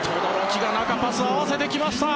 轟が中にパス、合わせてきました。